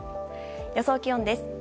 予想気温です。